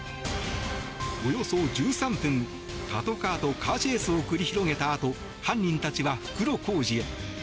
およそ１３分、パトカーとカーチェイスを繰り広げたあと犯人たちは袋小路へ。